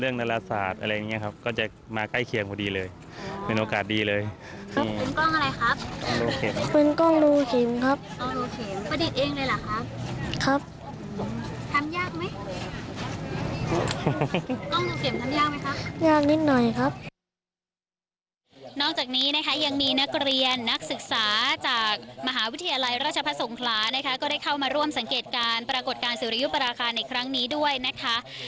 นอกจากนี้นะคะยังมีนักเรียนนักศึกษาจากมหาวิทยาลัยราชพัฒนสงคลานะคะก็ได้เข้ามาร่วมสังเกตการณ์ปรากฏการณ์สุริยุปราคาในครั้งนี้ด้วยนะคะ